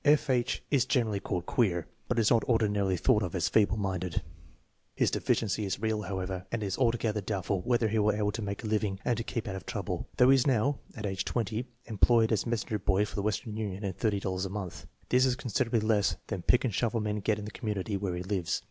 F. H. is generally called "queer," but is not ordinarily thought of as feeble minded. His deficiency is real, however, and it is alto gether doubtful whether he will be able to make a living and to keep out of trouble, though he is now (at age 0) employed as mes senger boy for the Western Union at $30 per month. This is con siderably less than pick and shovel men get in the community where he lives.